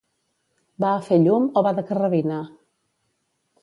Va a fer llum o va de carrabina?